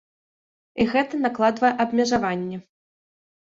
І гэта накладвае абмежаванні.